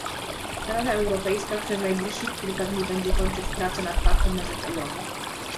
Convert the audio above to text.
Rada Europejska przez najbliższych kilka dni będzie kończyć prace nad paktem na rzecz euro